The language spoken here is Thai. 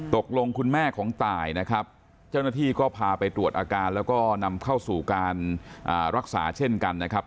คุณแม่ของตายนะครับเจ้าหน้าที่ก็พาไปตรวจอาการแล้วก็นำเข้าสู่การรักษาเช่นกันนะครับ